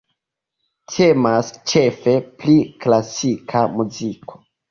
Temas ĉefe pri klasika muziko.